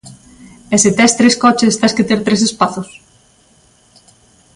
E se tes tres coches, tes que ter tres espazos?